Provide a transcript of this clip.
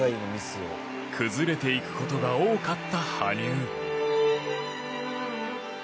崩れていくことが多かった羽生。